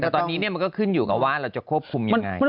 แต่ตอนนี้มันก็ขึ้นอยู่กับว่าเราจะควบคุมยังไง